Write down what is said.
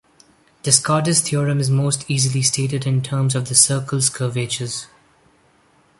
Descartes' theorem is most easily stated in terms of the circles' curvatures.